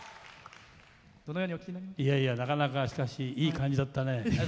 なかなか、しかしいい感じだったね。